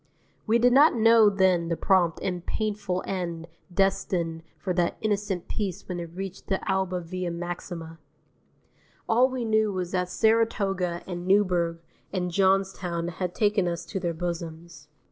We did not know then the prompt and painful end destined for that innocent piece when it reached the Alba Via Maxima. All we knew was that Saratoga and Newburgh and Johnstown had taken us to their bosoms.